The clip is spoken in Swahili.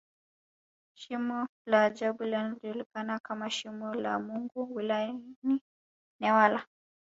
Shimo la ajabu lijulikanalo kama Shimo la Mungu wilayani Newala